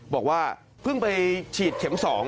บอกว่าเพิ่งไปฉีดเข็ม๒